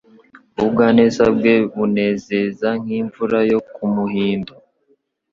ubugwaneza bwe bunezeza nk’imvura yo ku muhindo